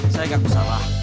saya gak usah lah